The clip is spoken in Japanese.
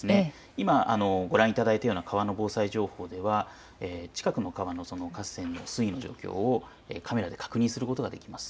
今ご覧いただいたような川の防災情報では近くの川の水位の状況をカメラで確認することができます。